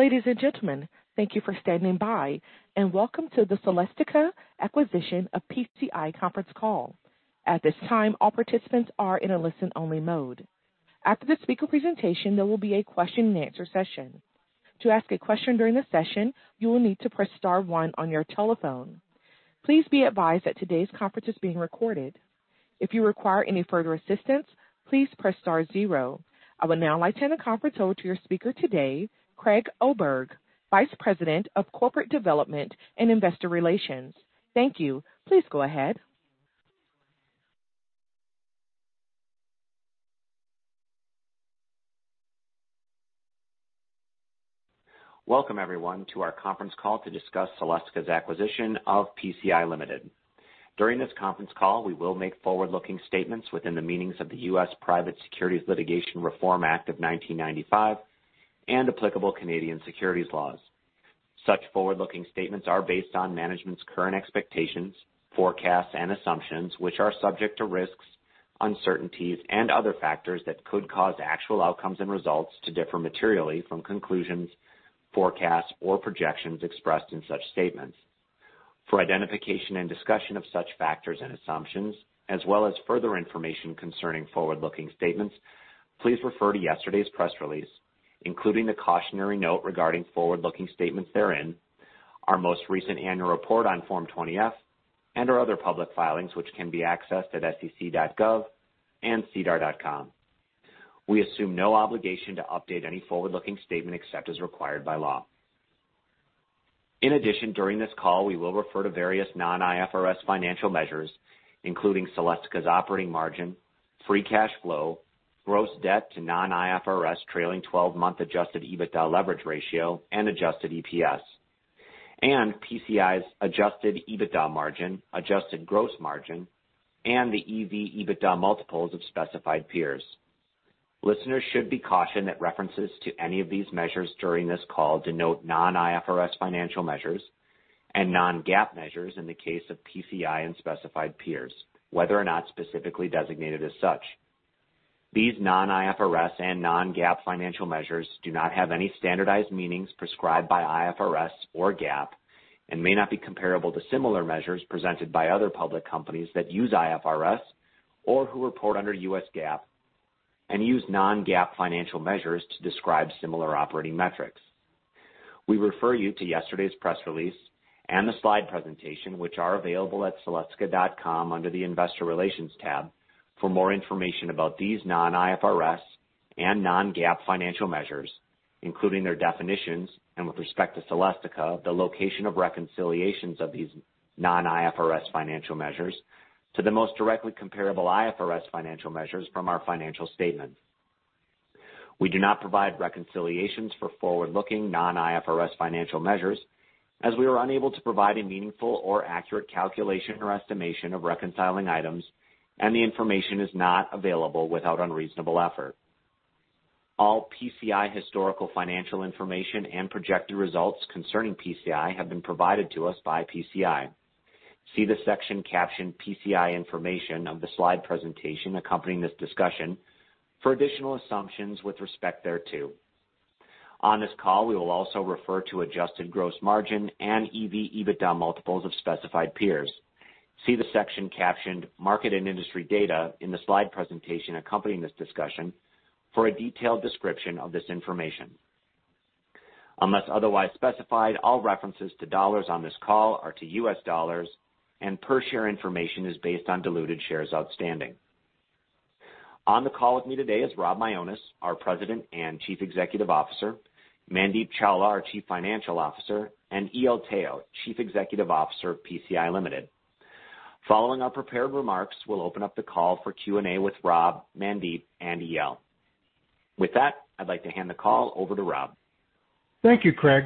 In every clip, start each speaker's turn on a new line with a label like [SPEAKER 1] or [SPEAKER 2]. [SPEAKER 1] Ladies and gentlemen, thank you for standing by, and welcome to the Celestica Acquisition of PCI conference call. At this time, all participants are in a listen-only mode. After the speaker presentation, there will be a question and answer session. To ask a question during the session, you will need to press star one on your telephone. Please be advised that today's conference is being recorded. If you require any further assistance, please press star zero. I would now like to hand the conference over to your speaker today, Craig Oberg, Vice President of Corporate Development and Investor Relations. Thank you. Please go ahead.
[SPEAKER 2] Welcome everyone to our conference call to discuss Celestica's acquisition of PCI Limited. During this conference call, we will make forward-looking statements within the meanings of the U.S. Private Securities Litigation Reform Act of 1995 and applicable Canadian securities laws. Such forward-looking statements are based on management's current expectations, forecasts, and assumptions, which are subject to risks, uncertainties, and other factors that could cause actual outcomes and results to differ materially from conclusions, forecasts, or projections expressed in such statements. For identification and discussion of such factors and assumptions, as well as further information concerning forward-looking statements, please refer to yesterday's press release, including the cautionary note regarding forward-looking statements therein, our most recent annual report on Form 20-F, and our other public filings, which can be accessed at sec.gov and sedar.com. We assume no obligation to update any forward-looking statement except as required by law. In addition, during this call, we will refer to various non-IFRS financial measures, including Celestica's operating margin, free cash flow, gross debt to non-IFRS trailing 12-month adjusted EBITDA leverage ratio, and adjusted EPS, and PCI's adjusted EBITDA margin, adjusted gross margin, and the EV/EBITDA multiples of specified peers. Listeners should be cautioned that references to any of these measures during this call denote non-IFRS financial measures and non-GAAP measures in the case of PCI and specified peers, whether or not specifically designated as such. These non-IFRS and non-GAAP financial measures do not have any standardized meanings prescribed by IFRS or GAAP and may not be comparable to similar measures presented by other public companies that use IFRS or who report under US GAAP and use non-GAAP financial measures to describe similar operating metrics. We refer you to yesterday's press release and the slide presentation, which are available at celestica.com under the investor relations tab for more information about these non-IFRS and non-GAAP financial measures, including their definitions, and with respect to Celestica, the location of reconciliations of these non-IFRS financial measures to the most directly comparable IFRS financial measures from our financial statements. We do not provide reconciliations for forward-looking, non-IFRS financial measures as we are unable to provide a meaningful or accurate calculation or estimation of reconciling items, and the information is not available without unreasonable effort. All PCI historical financial information and projected results concerning PCI have been provided to us by PCI. See the section captioned "PCI Information" of the slide presentation accompanying this discussion for additional assumptions with respect thereto. On this call, we will also refer to adjusted gross margin and EV/EBITDA multiples of specified peers. See the section captioned Market and Industry Data in the slide presentation accompanying this discussion for a detailed description of this information. Unless otherwise specified, all references to dollars on this call are to US dollars, and per share information is based on diluted shares outstanding. On the call with me today is Rob Mionis, our President and Chief Executive Officer, Mandeep Chawla, our Chief Financial Officer, and EL Teo, Chief Executive Officer of PCI Limited. Following our prepared remarks, we'll open up the call for Q&A with Rob, Mandeep, and EL. I'd like to hand the call over to Rob.
[SPEAKER 3] Thank you, Craig.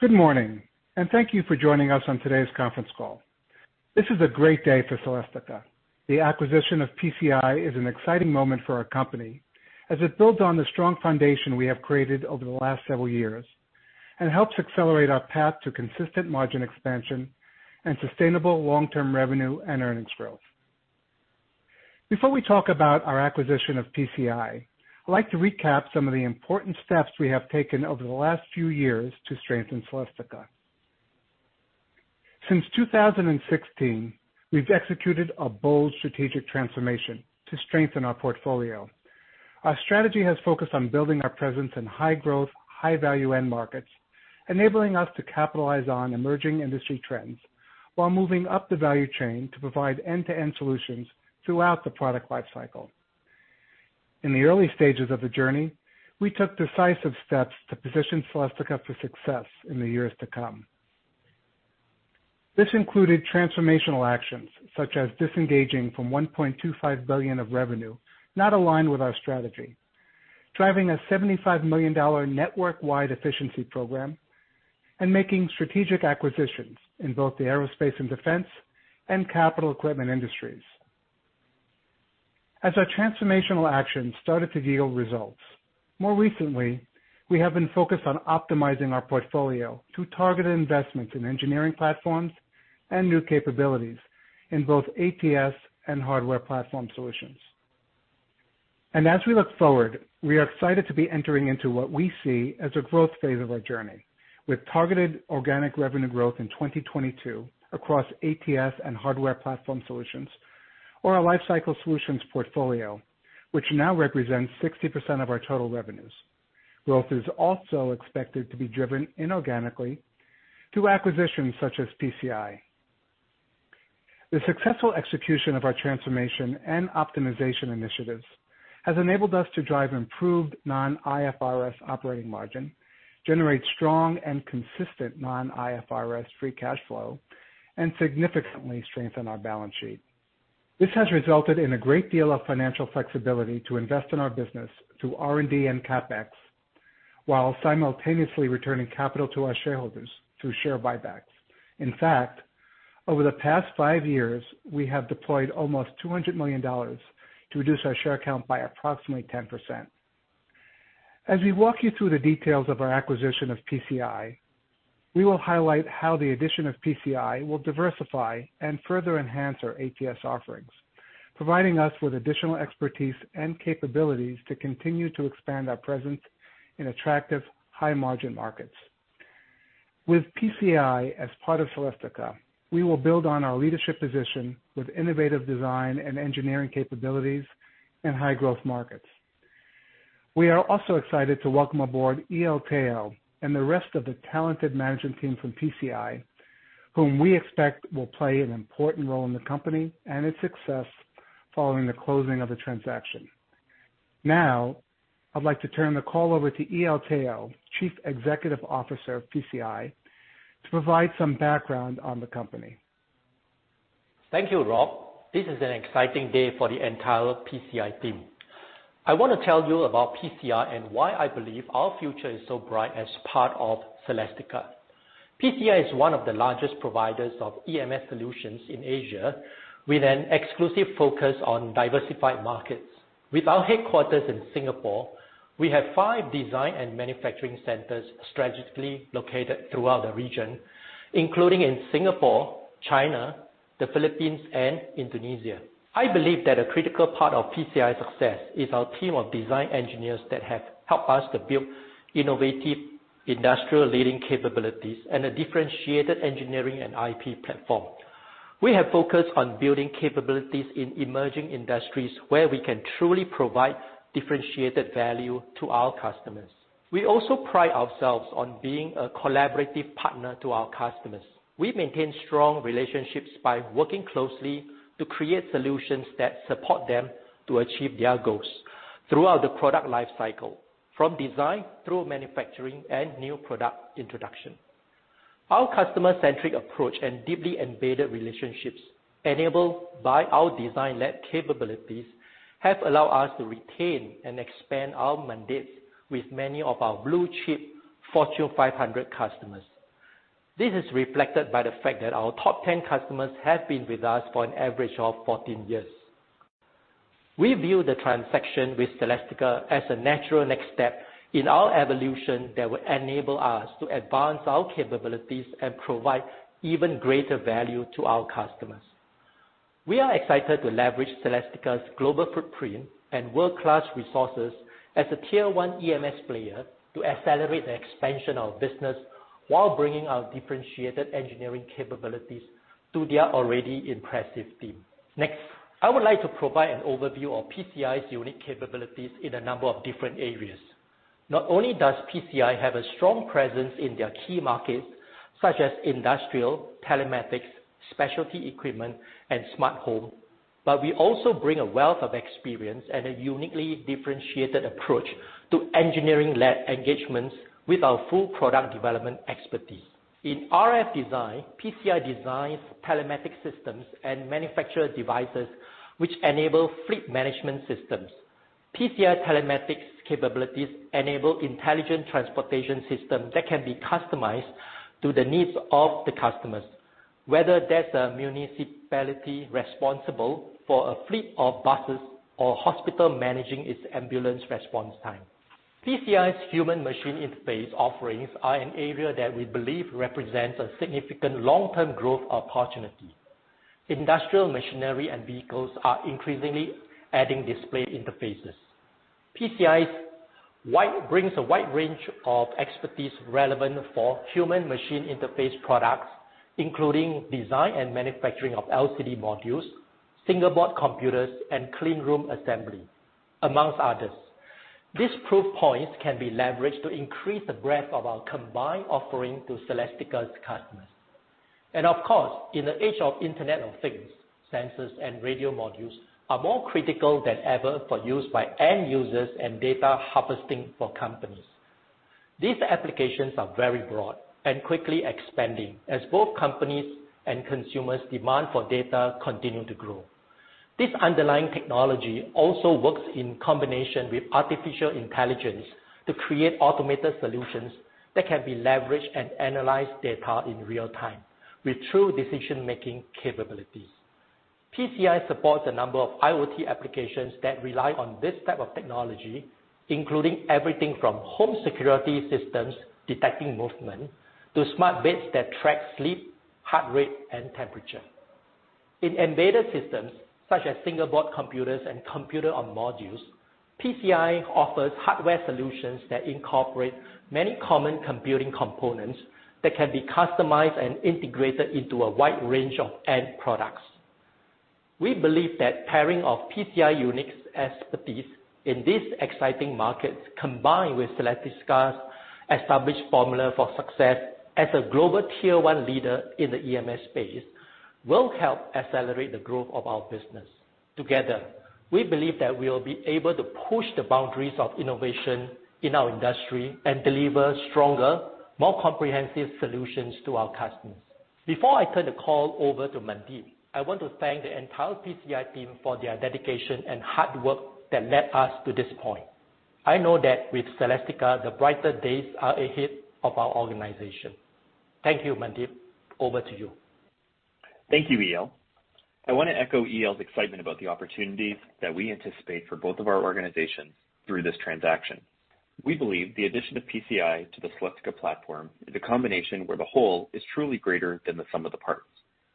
[SPEAKER 3] Good morning, and thank you for joining us on today's conference call. This is a great day for Celestica. The acquisition of PCI is an exciting moment for our company as it builds on the strong foundation we have created over the last several years and helps accelerate our path to consistent margin expansion and sustainable long-term revenue and earnings growth. Before we talk about our acquisition of PCI, I'd like to recap some of the important steps we have taken over the last few years to strengthen Celestica. Since 2016, we've executed a bold strategic transformation to strengthen our portfolio. Our strategy has focused on building our presence in high-growth, high-value end markets, enabling us to capitalize on emerging industry trends while moving up the value chain to provide end-to-end solutions throughout the product life cycle. In the early stages of the journey, we took decisive steps to position Celestica for success in the years to come. This included transformational actions such as disengaging from $1.25 billion of revenue not aligned with our strategy, driving a $75 million network-wide efficiency program, and making strategic acquisitions in both the aerospace and defense and capital equipment industries. As our transformational actions started to yield results, more recently, we have been focused on optimizing our portfolio through targeted investments in engineering platforms and new capabilities in both ATS and hardware platform solutions. As we look forward, we are excited to be entering into what we see as a growth phase of our journey, with targeted organic revenue growth in 2022 across ATS and hardware platform solutions or our lifecycle solutions portfolio, which now represents 60% of our total revenues. Growth is also expected to be driven inorganically through acquisitions such as PCI. The successful execution of our transformation and optimization initiatives has enabled us to drive improved non-IFRS operating margin, generate strong and consistent non-IFRS free cash flow, and significantly strengthen our balance sheet. This has resulted in a great deal of financial flexibility to invest in our business through R&D and CapEx, while simultaneously returning capital to our shareholders through share buybacks. In fact, over the past five years, we have deployed almost $200 million to reduce our share count by approximately 10%. As we walk you through the details of our acquisition of PCI, we will highlight how the addition of PCI will diversify and further enhance our ATS offerings, providing us with additional expertise and capabilities to continue to expand our presence in attractive, high-margin markets. With PCI as part of Celestica, we will build on our leadership position with innovative design and engineering capabilities in high-growth markets. We are also excited to welcome aboard EL Teo and the rest of the talented management team from PCI, whom we expect will play an important role in the company and its success following the closing of the transaction. I'd like to turn the call over to EL Teo, Chief Executive Officer of PCI, to provide some background on the company.
[SPEAKER 4] Thank you, Rob. This is an exciting day for the entire PCI team. I want to tell you about PCI and why I believe our future is so bright as part of Celestica. PCI is one of the largest providers of EMS solutions in Asia, with an exclusive focus on diversified markets. With our headquarters in Singapore, we have five design and manufacturing centers strategically located throughout the region, including in Singapore, China, the Philippines, and Indonesia. I believe that a critical part of PCI's success is our team of design engineers that have helped us to build innovative, industry-leading capabilities and a differentiated engineering and IP platform. We have focused on building capabilities in emerging industries where we can truly provide differentiated value to our customers. We also pride ourselves on being a collaborative partner to our customers. We maintain strong relationships by working closely to create solutions that support them to achieve their goals throughout the product life cycle, from design through manufacturing and new product introduction. Our customer-centric approach and deeply embedded relationships, enabled by our design lab capabilities, have allowed us to retain and expand our mandates with many of our blue-chip Fortune 500 customers. This is reflected by the fact that our top 10 customers have been with us for an average of 14 years. We view the transaction with Celestica as a natural next step in our evolution that will enable us to advance our capabilities and provide even greater value to our customers. We are excited to leverage Celestica's global footprint and world-class resources as a tier-one EMS player to accelerate the expansion of business while bringing our differentiated engineering capabilities to their already impressive team. Next, I would like to provide an overview of PCI's unique capabilities in a number of different areas. Not only does PCI have a strong presence in their key markets such as industrial, telematics, specialty equipment, and smart home, but we also bring a wealth of experience and a uniquely differentiated approach to engineering-led engagements with our full product development expertise. In RF design, PCI designs telematics systems and manufacture devices which enable fleet management systems. PCI telematics capabilities enable intelligent transportation systems that can be customized to the needs of the customers, whether that's a municipality responsible for a fleet of buses or hospital managing its ambulance response time. PCI's Human-Machine Interface offerings are an area that we believe represents a significant long-term growth opportunity. Industrial machinery and vehicles are increasingly adding display interfaces. PCI brings a wide range of expertise relevant for Human-Machine Interface products, including design and manufacturing of LCD modules, Single-Board Computers, and clean room assembly, amongst others. These proof points can be leveraged to increase the breadth of our combined offering to Celestica's customers. Of course, in the age of Internet of Things, sensors and radio modules are more critical than ever for use by end users and data harvesting for companies. These applications are very broad and quickly expanding as both companies' and consumers' demand for data continue to grow. This underlying technology also works in combination with artificial intelligence to create automated solutions that can leverage and analyze data in real time with true decision-making capabilities. PCI supports a number of IoT applications that rely on this type of technology, including everything from home security systems detecting movement to smart beds that track sleep, heart rate, and temperature. In embedded systems, such as Single-Board Computers and Computer-on-Modules, PCI offers hardware solutions that incorporate many common computing components that can be customized and integrated into a wide range of end products. We believe that pairing of PCI unique expertise in these exciting markets, combined with Celestica's established formula for success as a global tier 1 leader in the EMS space, will help accelerate the growth of our business. Together, we believe that we will be able to push the boundaries of innovation in our industry and deliver stronger, more comprehensive solutions to our customers. Before I turn the call over to Mandeep, I want to thank the entire PCI team for their dedication and hard work that led us to this point. I know that with Celestica, the brighter days are ahead of our organization. Thank you, Mandeep. Over to you.
[SPEAKER 5] Thank you, EL. I want to echo EL's excitement about the opportunities that we anticipate for both of our organizations through this transaction. We believe the addition of PCI to the Celestica platform is a combination where the whole is truly greater than the sum of the parts.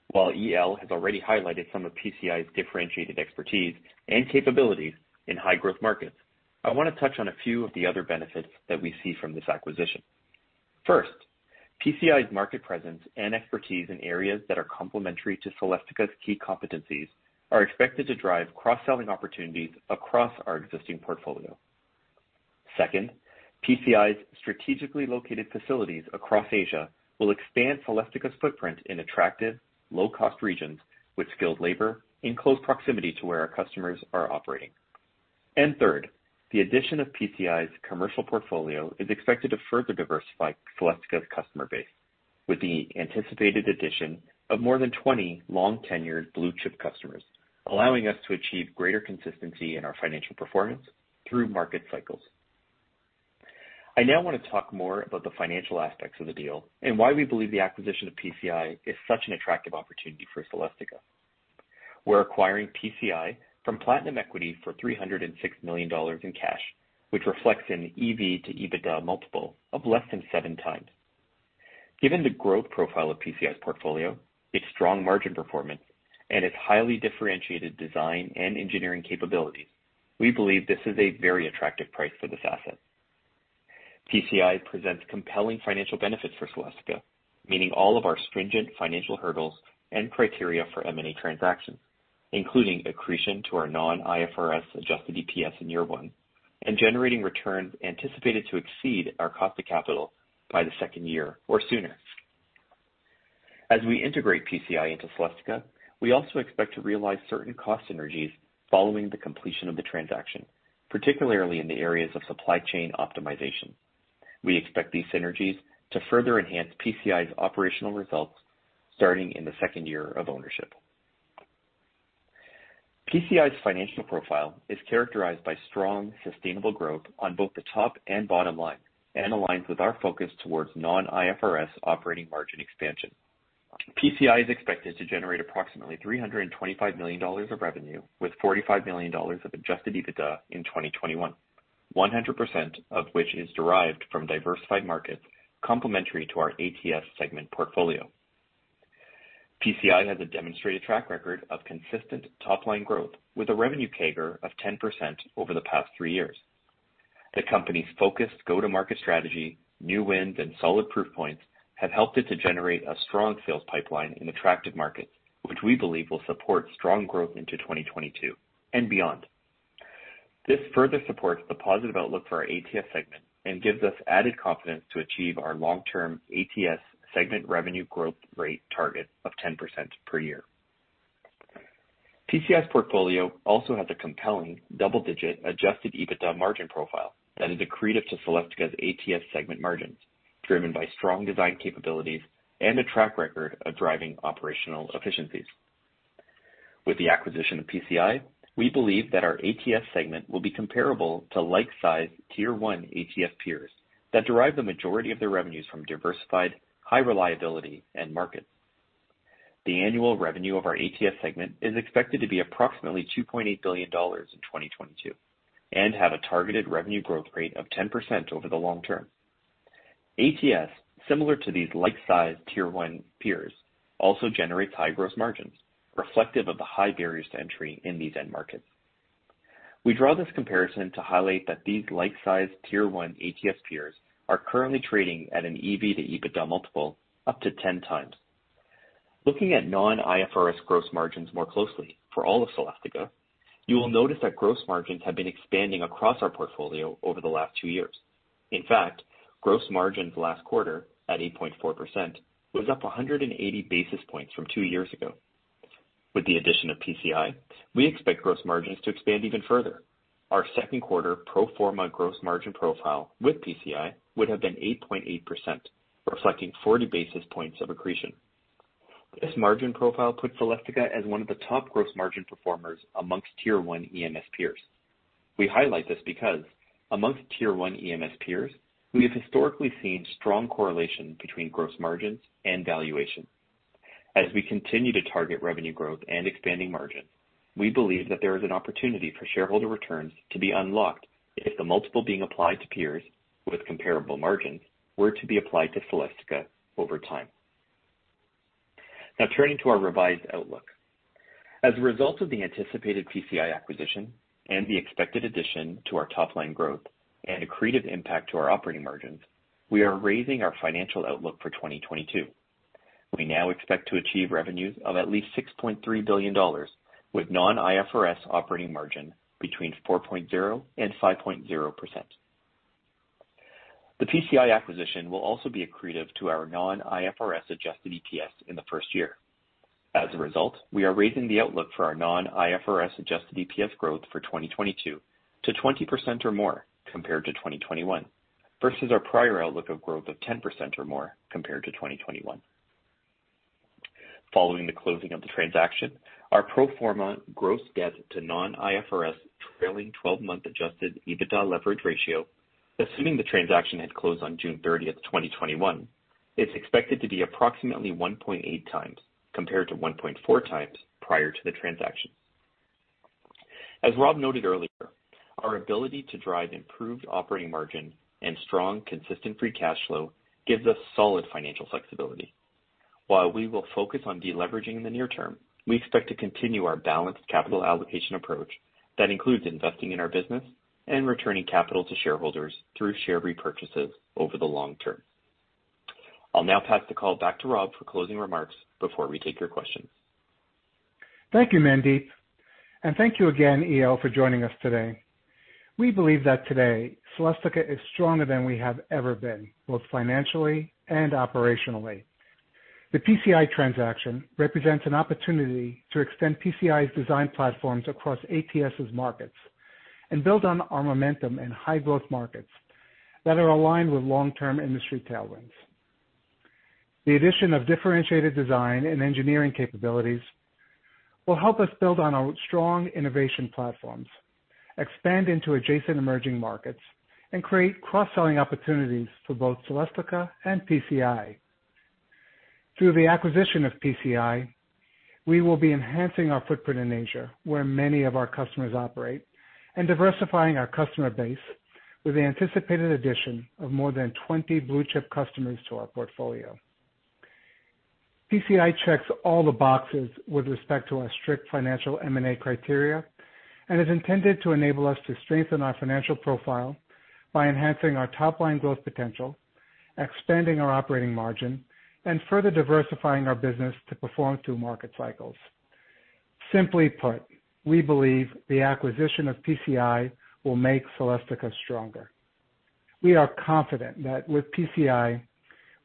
[SPEAKER 5] While EL has already highlighted some of PCI's differentiated expertise and capabilities in high growth markets, I want to touch on a few of the other benefits that we see from this acquisition. First, PCI's market presence and expertise in areas that are complementary to Celestica's key competencies are expected to drive cross-selling opportunities across our existing portfolio. Second, PCI's strategically located facilities across Asia will expand Celestica's footprint in attractive, low-cost regions with skilled labor in close proximity to where our customers are operating. Third, the addition of PCI's commercial portfolio is expected to further diversify Celestica's customer base, with the anticipated addition of more than 20 long-tenured blue-chip customers, allowing us to achieve greater consistency in our financial performance through market cycles. I now want to talk more about the financial aspects of the deal and why we believe the acquisition of PCI is such an attractive opportunity for Celestica. We're acquiring PCI from Platinum Equity for $306 million in cash, which reflects an EV/EBITDA multiple of less than 7x. Given the growth profile of PCI's portfolio, its strong margin performance, and its highly differentiated design and engineering capabilities, we believe this is a very attractive price for this asset. PCI presents compelling financial benefits for Celestica, meeting all of our stringent financial hurdles and criteria for M&A transactions, including accretion to our non-IFRS adjusted EPS in year one and generating returns anticipated to exceed our cost of capital by the second year or sooner. As we integrate PCI into Celestica, we also expect to realize certain cost synergies following the completion of the transaction, particularly in the areas of supply chain optimization. We expect these synergies to further enhance PCI's operational results starting in the second year of ownership. PCI's financial profile is characterized by strong, sustainable growth on both the top and bottom line and aligns with our focus towards non-IFRS operating margin expansion. PCI is expected to generate approximately $325 million of revenue with $45 million of adjusted EBITDA in 2021, 100% of which is derived from diversified markets, complementary to our ATS segment portfolio. PCI has a demonstrated track record of consistent top-line growth with a revenue CAGR of 10% over the past three years. The company's focused go-to-market strategy, new wins, and solid proof points have helped it to generate a strong sales pipeline in attractive markets, which we believe will support strong growth into 2022 and beyond. This further supports the positive outlook for our ATS Segment and gives us added confidence to achieve our long-term ATS Segment revenue growth rate target of 10% per year. PCI's portfolio also has a compelling double-digit adjusted EBITDA margin profile that is accretive to Celestica's ATS Segment margins, driven by strong design capabilities and a track record of driving operational efficiencies. With the acquisition of PCI, we believe that our ATS Segment will be comparable to like-sized tier 1 ATS peers that derive the majority of their revenues from diversified, high reliability, end markets. The annual revenue of our ATS segment is expected to be approximately $2.8 billion in 2022 and have a targeted revenue growth rate of 10% over the long term. ATS, similar to these like-sized tier 1 peers, also generates high gross margins reflective of the high barriers to entry in these end markets. We draw this comparison to highlight that these like-sized tier 1 ATS peers are currently trading at an EV to EBITDA multiple up to 10x. Looking at non-IFRS gross margins more closely for all of Celestica, you will notice that gross margins have been expanding across our portfolio over the last two years. In fact, gross margins last quarter at 8.4% was up 180 basis points from two years ago. With the addition of PCI, we expect gross margins to expand even further. Our second quarter pro forma gross margin profile with PCI would have been 8.8%, reflecting 40 basis points of accretion. This margin profile puts Celestica as one of the top gross margin performers amongst tier 1 EMS peers. We highlight this because amongst tier 1 EMS peers, we have historically seen strong correlation between gross margins and valuation. As we continue to target revenue growth and expanding margins, we believe that there is an opportunity for shareholder returns to be unlocked if the multiple being applied to peers with comparable margins were to be applied to Celestica over time. Now, turning to our revised outlook. As a result of the anticipated PCI acquisition and the expected addition to our top-line growth and accretive impact to our operating margins, we are raising our financial outlook for 2022. We now expect to achieve revenues of at least $6.3 billion with non-IFRS operating margin between 4.0% and 5.0%. The PCI acquisition will also be accretive to our non-IFRS adjusted EPS in the first year. As a result, we are raising the outlook for our non-IFRS adjusted EPS growth for 2022 to 20% or more compared to 2021. Versus our prior outlook of growth of 10% or more compared to 2021. Following the closing of the transaction, our pro forma gross debt to non-IFRS trailing 12-month adjusted EBITDA leverage ratio, assuming the transaction had closed on June 30th, 2021, is expected to be approximately 1.8x compared to 1.4x prior to the transaction. As Rob noted earlier, our ability to drive improved operating margin and strong, consistent free cash flow gives us solid financial flexibility. While we will focus on de-leveraging in the near term, we expect to continue our balanced capital allocation approach that includes investing in our business and returning capital to shareholders through share repurchases over the long term. I'll now pass the call back to Rob for closing remarks before we take your questions.
[SPEAKER 3] Thank you, Mandeep, and thank you again, EL, for joining us today. We believe that today Celestica is stronger than we have ever been, both financially and operationally. The PCI transaction represents an opportunity to extend PCI's design platforms across ATS's markets and build on our momentum in high-growth markets that are aligned with long-term industry tailwinds. The addition of differentiated design and engineering capabilities will help us build on our strong innovation platforms, expand into adjacent emerging markets, and create cross-selling opportunities for both Celestica and PCI. Through the acquisition of PCI, we will be enhancing our footprint in Asia, where many of our customers operate, and diversifying our customer base with the anticipated addition of more than 20 blue-chip customers to our portfolio. PCI checks all the boxes with respect to our strict financial M&A criteria and is intended to enable us to strengthen our financial profile by enhancing our top-line growth potential, expanding our operating margin, and further diversifying our business to perform through market cycles. Simply put, we believe the acquisition of PCI will make Celestica stronger. We are confident that with PCI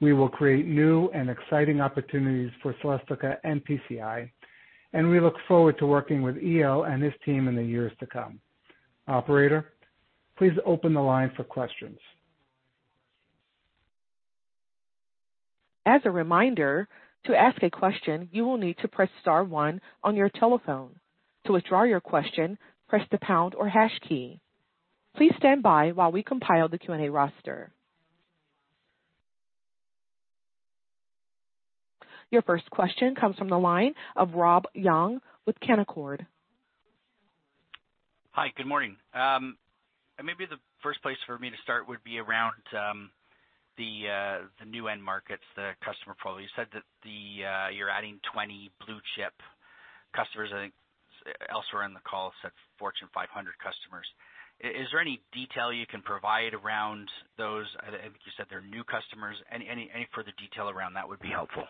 [SPEAKER 3] we will create new and exciting opportunities for Celestica and PCI, and we look forward to working with EL and his team in the years to come. Operator, please open the line for questions.
[SPEAKER 1] As a reminder, to ask question you will need to press star one on your telephone. To withdraw your question press the pound ot hash key. Please stand by while we compile the Q&A roster. Your first question comes from the line of Robert Young with Canaccord.
[SPEAKER 6] Hi, good morning. Maybe the first place for me to start would be around the new end markets, the customer profile. You said that you're adding 20 blue-chip customers. I think elsewhere in the call, you said Fortune 500 customers. Is there any detail you can provide around those? I think you said they're new customers. Any further detail around that would be helpful.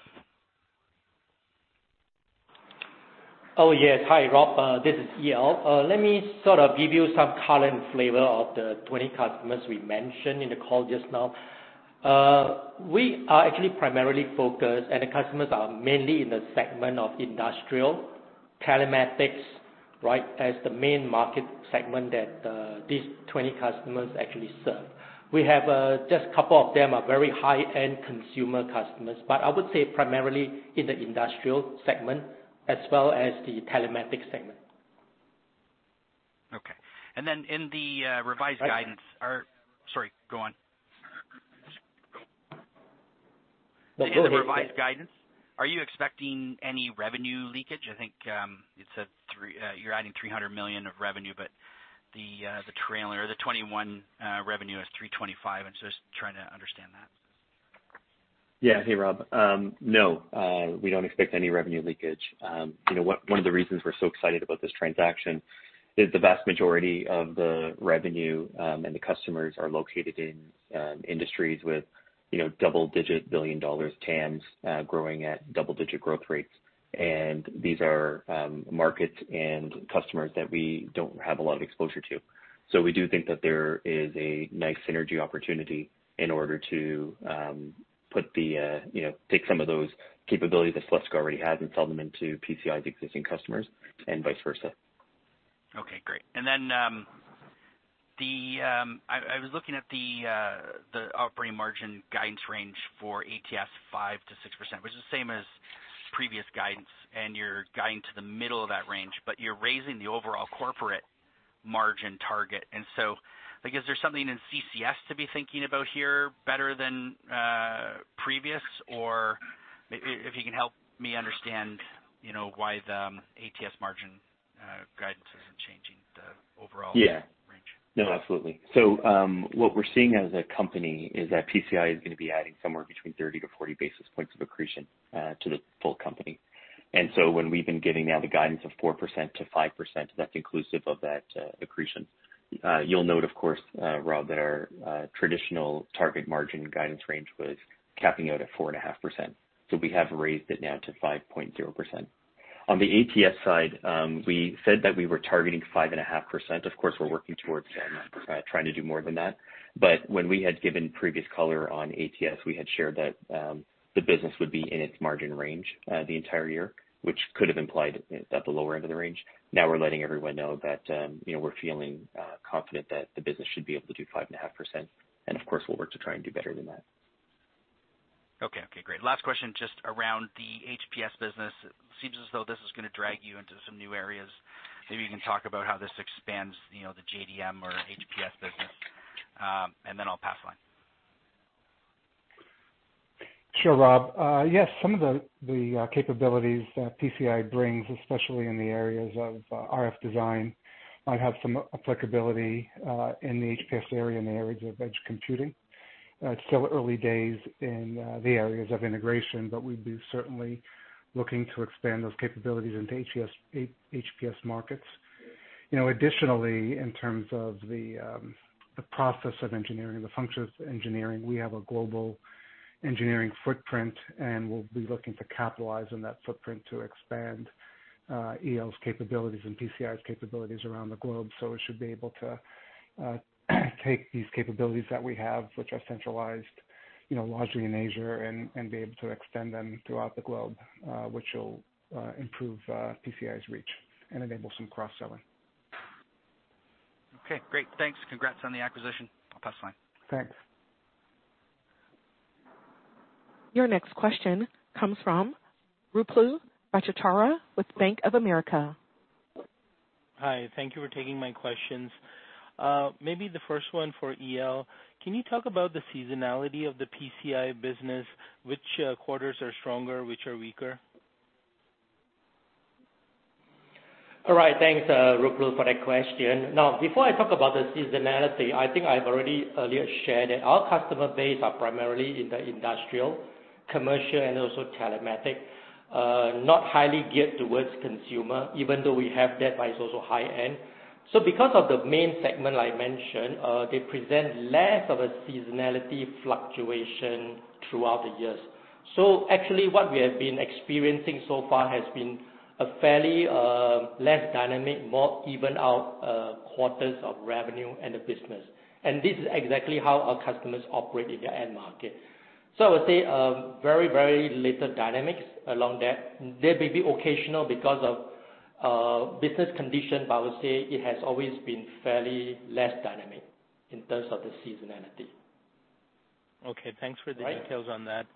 [SPEAKER 4] Oh, yes. Hi, Rob. This is EL. Let me give you some color and flavor of the 20 customers we mentioned in the call just now. We are actually primarily focused, and the customers are mainly in the segment of industrial telematics as the main market segment that these 20 customers actually serve. We have just a couple of them are very high-end consumer customers, but I would say primarily in the industrial segment as well as the telematic segment.
[SPEAKER 6] Okay. Then in the revised guidance. Sorry, go on.
[SPEAKER 4] No, go ahead.
[SPEAKER 6] In the revised guidance, are you expecting any revenue leakage? I think you said you are adding $300 million of revenue, but the trailer or the 2021 revenue is $325, and so just trying to understand that?
[SPEAKER 5] Yeah. Hey, Rob. No, we don't expect any revenue leakage. One of the reasons we're so excited about this transaction is the vast majority of the revenue, and the customers are located in industries with double-digit billion dollars TAMs growing at double-digit growth rates. These are markets and customers that we don't have a lot of exposure to. We do think that there is a nice synergy opportunity in order to take some of those capabilities that Celestica already has and sell them into PCI's existing customers and vice versa.
[SPEAKER 6] Okay, great. I was looking at the operating margin guidance range for ATS, 5%-6%, which is the same as previous guidance, and you're guiding to the middle of that range, but you're raising the overall corporate margin target. Is there something in CCS to be thinking about here better than previous? If you can help me understand why the ATS margin guidance isn't changing the overall-
[SPEAKER 5] Yeah
[SPEAKER 6] Range.
[SPEAKER 5] No, absolutely. What we're seeing as a company is that PCI is going to be adding somewhere between 30-40 basis points of accretion to the full company. When we've been giving now the guidance of 4%-5%, that's inclusive of that accretion. You'll note, of course, Rob, that our traditional target margin guidance range was capping out at 4.5%. We have raised it now to 5.0%. On the ATS side, we said that we were targeting 5.5%. Of course, we're working towards that, trying to do more than that. When we had given previous color on ATS, we had shared that the business would be in its margin range the entire year, which could have implied at the lower end of the range. We're letting everyone know that we're feeling confident that the business should be able to do 5.5%, and of course, we'll work to try and do better than that.
[SPEAKER 6] Okay, great. Last question, just around the HPS business. Seems as though this is going to drag you into some new areas. Maybe you can talk about how this expands the JDM or HPS business. Then I'll pass the line.
[SPEAKER 3] Sure, Rob. Yes, some of the capabilities that PCI brings, especially in the areas of RF design, might have some applicability in the HPS area, in the areas of edge computing. It's still early days in the areas of integration, but we'd be certainly looking to expand those capabilities into HPS markets. Additionally, in terms of the process of engineering, the functions of engineering, we have a global engineering footprint, and we'll be looking to capitalize on that footprint to expand EL's capabilities and PCI's capabilities around the globe. We should be able to take these capabilities that we have, which are centralized largely in Asia, and be able to extend them throughout the globe, which will improve PCI's reach and enable some cross-selling.
[SPEAKER 6] Okay, great. Thanks. Congrats on the acquisition. I'll pass the line.
[SPEAKER 3] Thanks.
[SPEAKER 1] Your next question comes from Ruplu Bhattacharya with Bank of America.
[SPEAKER 7] Hi. Thank you for taking my questions. Maybe the first one for EL, can you talk about the seasonality of the PCI business? Which quarters are stronger, which are weaker?
[SPEAKER 4] All right. Thanks, Ruplu, for that question. Before I talk about the seasonality, I think I've already earlier shared that our customer base are primarily in the industrial, commercial, and also telematic. Not highly geared towards consumer, even though we have that, but it's also high-end. Because of the main segment I mentioned, they present less of a seasonality fluctuation throughout the years. Actually, what we have been experiencing so far has been a fairly less dynamic, more evened out quarters of revenue and the business. This is exactly how our customers operate in their end market. I would say very later dynamics along that. There may be occasional because of business condition, but I would say it has always been fairly less dynamic in terms of the seasonality.
[SPEAKER 7] Okay. Thanks for the details on that.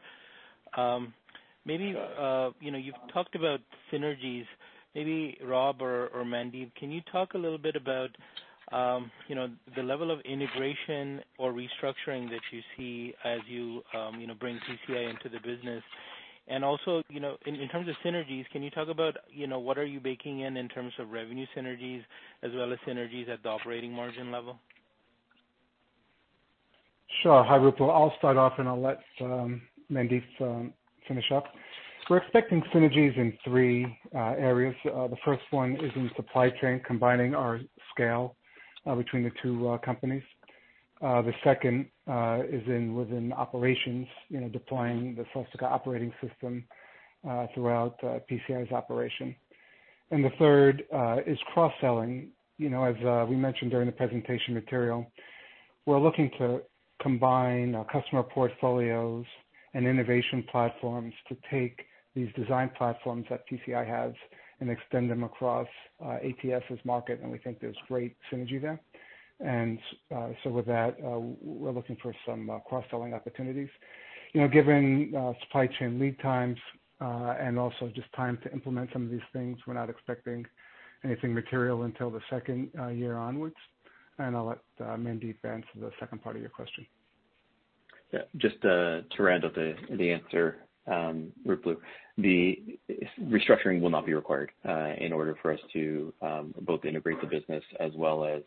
[SPEAKER 4] Right.
[SPEAKER 7] You've talked about synergies. Maybe Rob or Mandeep, can you talk a little bit about the level of integration or restructuring that you see as you bring PCI into the business? In terms of synergies, can you talk about what are you baking in in terms of revenue synergies as well as synergies at the operating margin level?
[SPEAKER 3] Sure. Hi, Ruplu. I'll start off. I'll let Mandeep finish up. We're expecting synergies in three areas. The first one is in supply chain, combining our scale between the two companies. The second is within operations, deploying the Celestica operating system throughout PCI's operation. The third is cross-selling. As we mentioned during the presentation material, we're looking to combine our customer portfolios and innovation platforms to take these design platforms that PCI has and extend them across Atrenne's market, and we think there's great synergy there. With that, we're looking for some cross-selling opportunities. Given supply chain lead times and also just time to implement some of these things, we're not expecting anything material until the second year onwards. I'll let Mandeep answer the second part of your question.
[SPEAKER 5] Yeah, just to round up the answer, Ruplu. The restructuring will not be required in order for us to both integrate the business as well as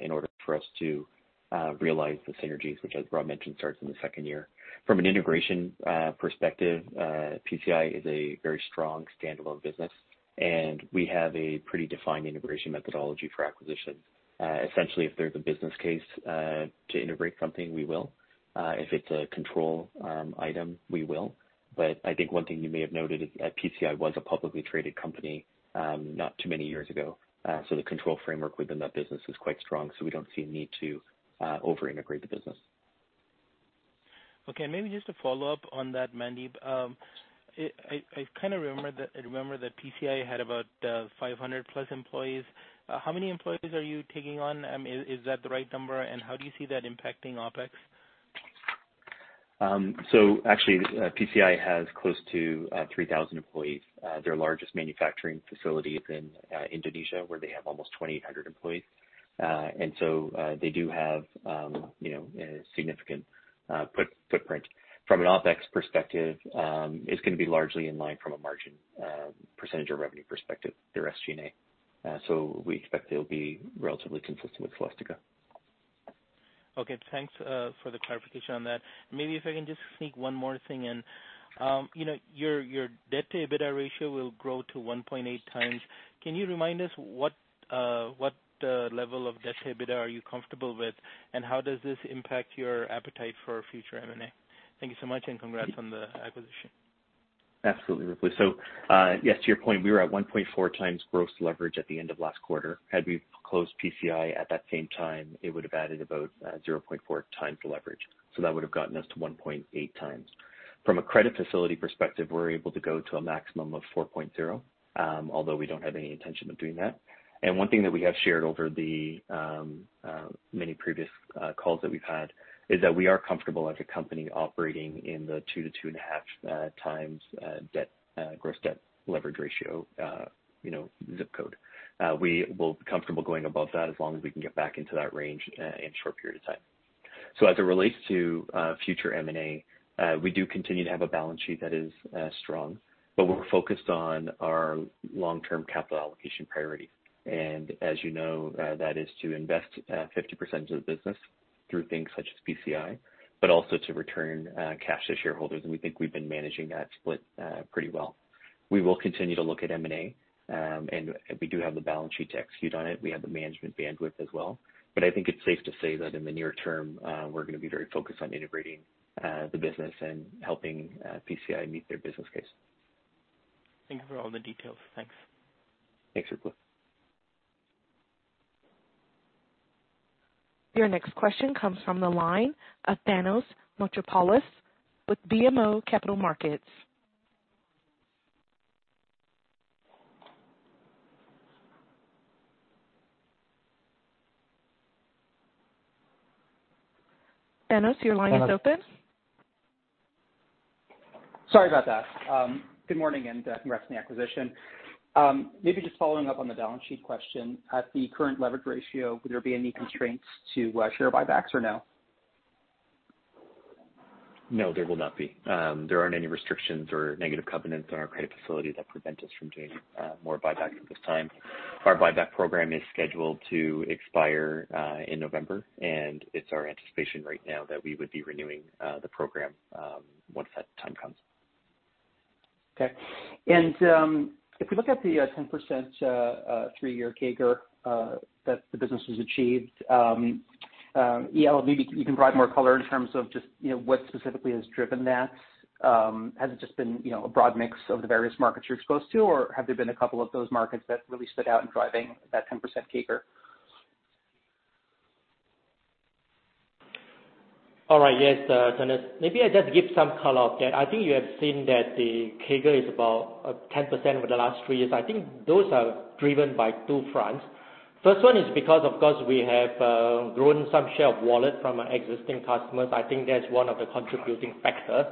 [SPEAKER 5] in order for us to realize the synergies, which, as Rob mentioned, starts in the second year. From an integration perspective, PCI is a very strong standalone business, and we have a pretty defined integration methodology for acquisition. Essentially, if there's a business case to integrate something, we will. If it's a control item, we will. I think one thing you may have noted is that PCI was a publicly traded company not too many years ago. The control framework within that business is quite strong, so we don't see a need to over-integrate the business.
[SPEAKER 7] Okay, maybe just a follow-up on that, Mandeep. I kind of remember that PCI had about 500+ employees. How many employees are you taking on? Is that the right number? How do you see that impacting OpEx?
[SPEAKER 5] Actually, PCI has close to 3,000 employees. Their largest manufacturing facility is in Indonesia, where they have almost 2,800 employees. They do have a significant footprint. From an OpEx perspective, it's going to be largely in line from a margin percentage or revenue perspective, their SG&A. We expect they'll be relatively consistent with Celestica. Okay. Thanks for the clarification on that. Maybe if I can just sneak one more thing in. Your debt to EBITDA ratio will grow to 1.8x. Can you remind us what level of debt to EBITDA are you comfortable with, and how does this impact your appetite for future M&A? Thank you so much, and congrats on the acquisition. Absolutely, Ruplu Bhattacharya. Yes, to your point, we were at 1.4x gross leverage at the end of last quarter. Had we closed PCI at that same time, it would have added about 0.4x the leverage. That would have gotten us to 1.8x. From a credit facility perspective, we're able to go to a maximum of 4.0x, although we don't have any intention of doing that. One thing that we have shared over the many previous calls that we've had is that we are comfortable as a company operating in the 2x-2.5x gross debt leverage ratio ZIP code. We will be comfortable going above that as long as we can get back into that range in a short period of time. As it relates to future M&A, we do continue to have a balance sheet that is strong, but we're focused on our long-term capital allocation priority. As you know, that is to invest 50% of the business through things such as PCI, but also to return cash to shareholders, and we think we've been managing that split pretty well. We will continue to look at M&A, and we do have the balance sheet to execute on it. We have the management bandwidth as well. I think it's safe to say that in the near term, we're going to be very focused on integrating the business and helping PCI meet their business case. Thank you for all the details. Thanks. Thanks, Ruplu Bhattacharya.
[SPEAKER 1] Your next question comes from the line of Thanos Moschopoulos with BMO Capital Markets. Thanos, your line is open.
[SPEAKER 8] Sorry about that. Good morning, and congrats on the acquisition. Maybe just following up on the balance sheet question. At the current leverage ratio, would there be any constraints to share buybacks or no?
[SPEAKER 5] No, there will not be. There aren't any restrictions or negative covenants on our credit facility that prevent us from doing more buybacks at this time. Our buyback program is scheduled to expire in November, and it's our anticipation right now that we would be renewing the program once that time comes.
[SPEAKER 8] Okay. If we look at the 10% three-year CAGR that the business has achieved, EL Teo, maybe you can provide more color in terms of just what specifically has driven that. Has it just been a broad mix of the various markets you're exposed to, or have there been a couple of those markets that really stood out in driving that 10% CAGR?
[SPEAKER 4] All right. Yes, Thanos. Maybe I just give some color of that. I think you have seen that the CAGR is about 10% over the last three years. I think those are driven by two fronts. First one is because, of course, we have grown some share of wallet from our existing customers. I think that's one of the contributing factor.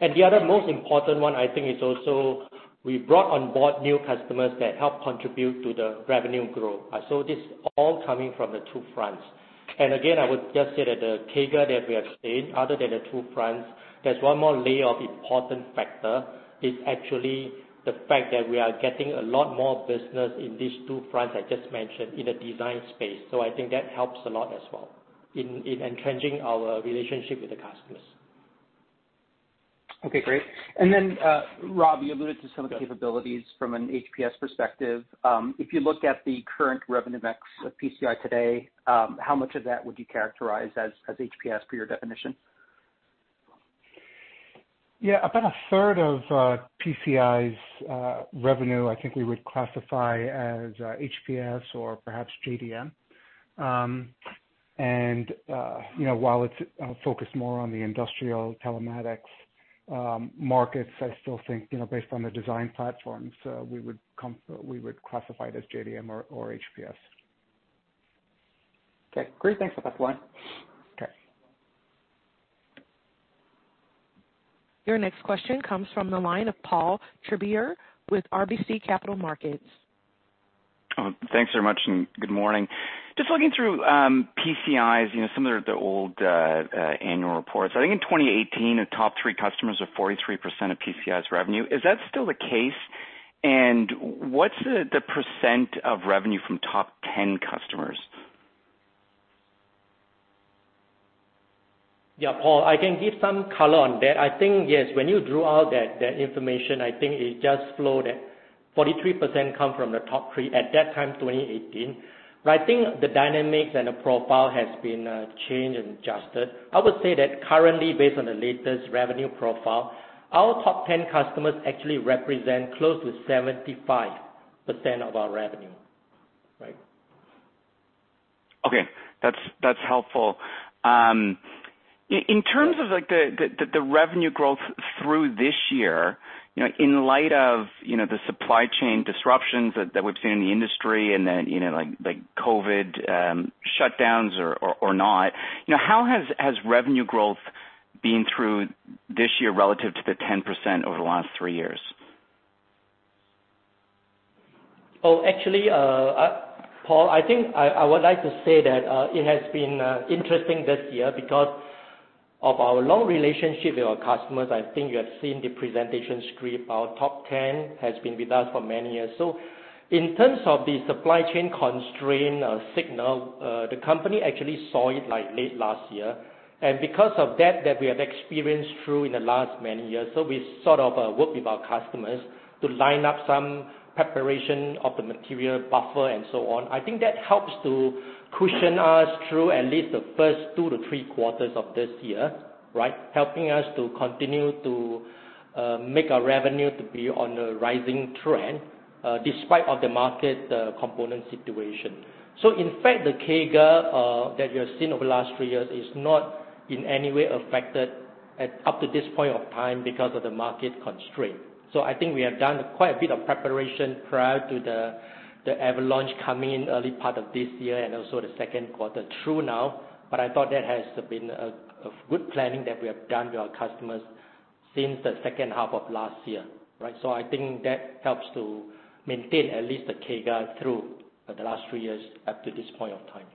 [SPEAKER 4] The other most important one, I think, is also we brought on board new customers that help contribute to the revenue growth. This all coming from the two fronts. Again, I would just say that the CAGR that we have seen, other than the two fronts, there's one more layer of important factor. It's actually the fact that we are getting a lot more business in these two fronts I just mentioned in the design space. I think that helps a lot as well in enchanting our relationship with the customers.
[SPEAKER 8] Okay, great. Rob, you alluded to some of the capabilities from an HPS perspective. If you look at the current revenue mix of PCI today, how much of that would you characterize as HPS per your definition?
[SPEAKER 3] About a third of PCI's revenue, I think we would classify as HPS or perhaps JDM. While it's focused more on the industrial telematics markets, I still think based on the design platforms, we would classify it as JDM or HPS.
[SPEAKER 8] Okay, great. Thanks for that, Rob.
[SPEAKER 3] Okay.
[SPEAKER 1] Your next question comes from the line of Paul Treiber with RBC Capital Markets.
[SPEAKER 9] Thanks very much. Good morning. Just looking through PCI's some of the old annual reports. I think in 2018, the top three customers were 43% of PCI's revenue. Is that still the case? What's the % of revenue from top 10 customers?
[SPEAKER 4] Yeah, Paul. I can give some color on that. I think yes, when you drew out that information, I think it just flowed that 43% come from the top three at that time, 2018. I think the dynamics and the profile has been changed and adjusted. I would say that currently, based on the latest revenue profile, our top 10 customers actually represent close to 75% of our revenue. Right?
[SPEAKER 9] Okay. That's helpful. In terms of the revenue growth through this year. In light of the supply chain disruptions that we've seen in the industry and then like COVID shutdowns or not, how has revenue growth been through this year relative to the 10% over the last three years?
[SPEAKER 4] Oh, actually, Paul, I think I would like to say that it has been interesting this year because of our long relationship with our customers. I think you have seen the presentation script. Our top 10 has been with us for many years. In terms of the supply chain constraint signal, the company actually saw it late last year. Because of that, we have experienced through in the last many years, we sort of work with our customers to line up some preparation of the material buffer and so on. I think that helps to cushion us through at least the first two to three quarters of this year, right? Helping us to continue to make our revenue to be on a rising trend, despite of the market component situation. In fact, the CAGR that you have seen over the last three years is not in any way affected up to this point of time because of the market constraint. I think we have done quite a bit of preparation prior to the avalanche coming in early part of this year and also the second quarter through now, I thought that has been a good planning that we have done with our customers since the second half of last year, right? I think that helps to maintain at least the CAGR through the last three years up to this point of time.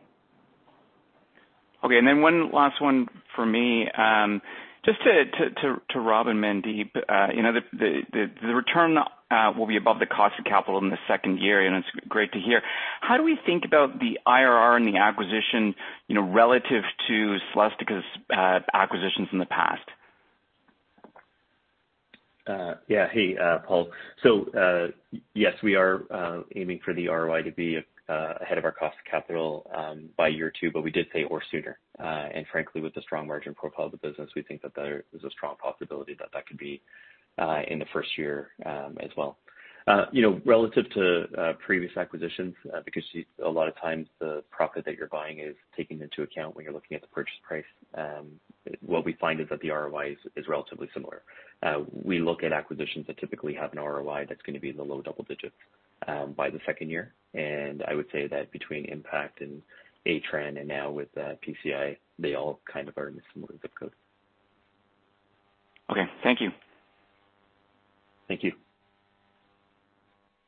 [SPEAKER 9] Okay, one last one for me. Just to Rob and Mandeep, the return will be above the cost of capital in the second year, and it's great to hear. How do we think about the IRR and the acquisition, relative to Celestica's acquisitions in the past?
[SPEAKER 5] Hey, Paul. Yes, we are aiming for the ROI to be ahead of our cost of capital by year two, we did say, or sooner. Frankly, with the strong margin profile of the business, we think that there is a strong possibility that that could be in the first year as well. Relative to previous acquisitions, because a lot of times the profit that you're buying is taken into account when you're looking at the purchase price, what we find is that the ROI is relatively similar. We look at acquisitions that typically have an ROI that's going to be in the low double digits by the second year. I would say that between Impakt and Atrenne, and now with PCI, they all kind of are in a similar ZIP code.
[SPEAKER 9] Okay. Thank you.
[SPEAKER 5] Thank you.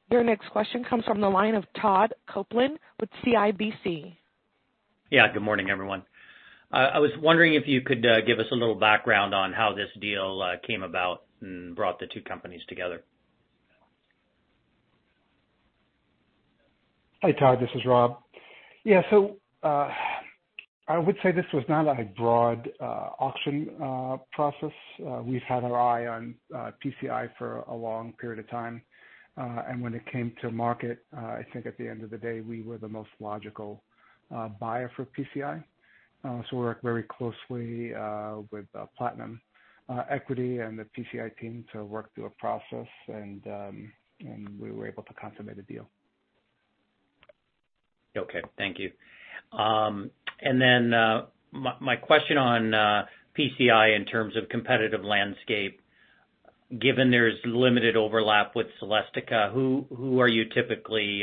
[SPEAKER 1] Your next question comes from the line of Todd Coupland with CIBC.
[SPEAKER 10] Yeah. Good morning, everyone. I was wondering if you could give us a little background on how this deal came about and brought the two companies together?
[SPEAKER 3] Hi, Todd. This is Rob. Yeah. I would say this was not a broad auction process. We've had our eye on PCI for a long period of time. When it came to market, I think at the end of the day, we were the most logical buyer for PCI. We worked very closely with Platinum Equity and the PCI team to work through a process and we were able to consummate a deal.
[SPEAKER 10] Okay. Thank you. My question on PCI in terms of competitive landscape, given there's limited overlap with Celestica, who are you typically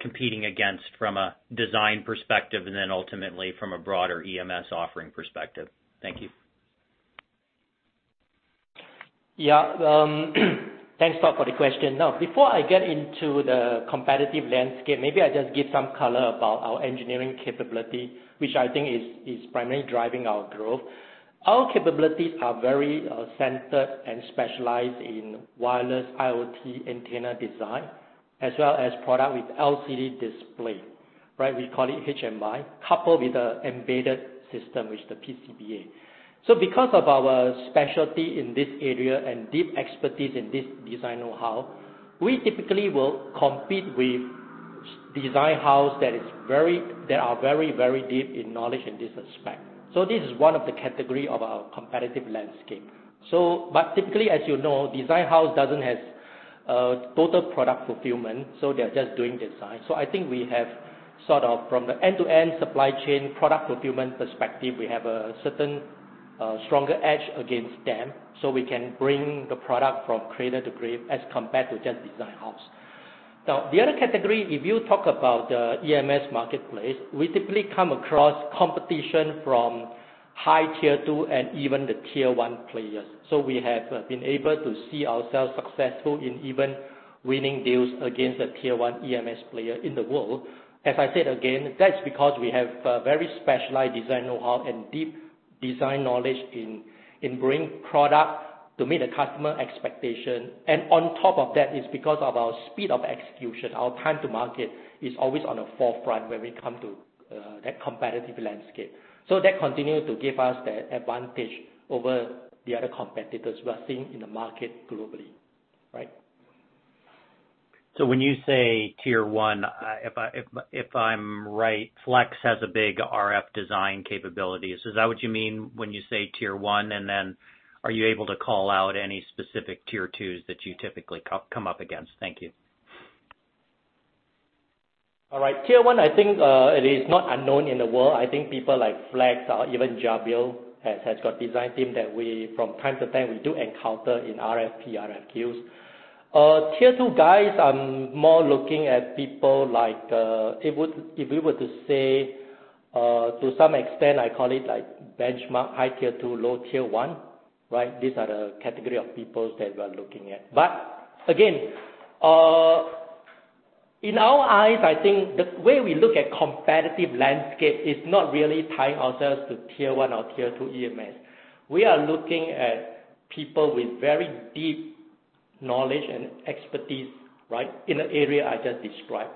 [SPEAKER 10] competing against from a design perspective, and then ultimately from a broader EMS offering perspective? Thank you.
[SPEAKER 4] Yeah. Thanks, Todd, for the question. Before I get into the competitive landscape, maybe I just give some color about our engineering capability, which I think is primarily driving our growth. Our capabilities are very centered and specialized in wireless IoT antenna design, as well as product with LCD display. We call it HMI, coupled with the embedded system, which is the PCBA. Because of our specialty in this area and deep expertise in this design know-how, we typically will compete with design house that are very, very deep in knowledge in this respect. This is one of the category of our competitive landscape. Typically, as you know, design house doesn't have total product fulfillment, they're just doing design. I think we have sort of from the end-to-end supply chain product fulfillment perspective, we have a certain stronger edge against them, so we can bring the product from cradle to grave as compared to just design house. The other category, if you talk about the EMS marketplace, we typically come across competition from high tier 2 and even the tier 1 players. We have been able to see ourselves successful in even winning deals against the tier 1 EMS player in the world. As I said again, that's because we have a very specialized design know-how and deep design knowledge in bringing product to meet the customer expectation. On top of that is because of our speed of execution. Our time to market is always on the forefront when we come to that competitive landscape. That continues to give us the advantage over the other competitors we are seeing in the market globally. Right?
[SPEAKER 10] When you say tier 1, if I'm right, Flex has a big RF design capabilities. Is that what you mean when you say tier 1? Then are you able to call out any specific tier 2s that you typically come up against? Thank you.
[SPEAKER 4] All right. Tier 1, I think, it is not unknown in the world. I think people like Flex or even Jabil has got design team that from time to time we do encounter in RFP, RFQs. Tier 2 guys, I'm more looking at people like, if we were to say to some extent I call it like Benchmark high tier 2, low tier 1, right? These are the category of peoples that we're looking at. Again, in our eyes, I think the way we look at competitive landscape is not really tying ourselves to tier 1 or tier 2 EMS. We are looking at people with very deep knowledge and expertise, right, in the area I just described.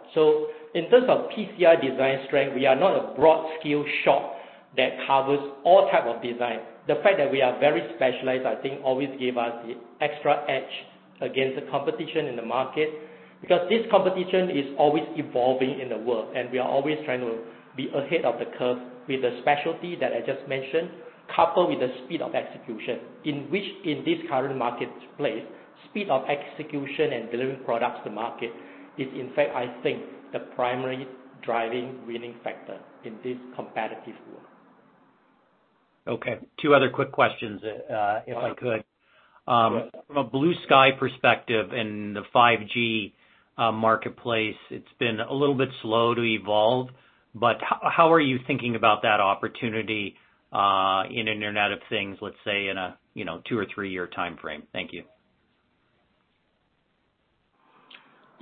[SPEAKER 4] In terms of PCI design strength, we are not a broad skill shop that covers all type of design. The fact that we are very specialized, I think, always give us the extra edge against the competition in the market because this competition is always evolving in the world and we are always trying to be ahead of the curve with the specialty that I just mentioned, coupled with the speed of execution in which in this current marketplace, speed of execution and delivering products to market is in fact, I think, the primary driving winning factor in this competitive world.
[SPEAKER 10] Okay, two other quick questions, if I could.
[SPEAKER 4] Sure.
[SPEAKER 10] From a blue-sky perspective in the 5G marketplace, it's been a little bit slow to evolve, but how are you thinking about that opportunity, in Internet of Things, let's say in a two or three-year timeframe? Thank you.